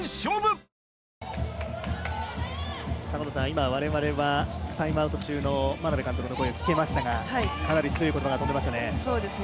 今、我々はタイムアウト中の眞鍋監督の声を聞けましたがかなり強い言葉が飛んでいましたね。